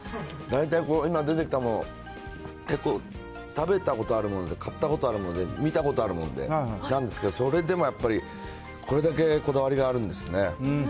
大体、今出てきたのも、結構食べたことあるもの、買ったことあるもので、見たことあるもので、なんですけれども、それでもやっぱり、これだけこだわりがあるんですね。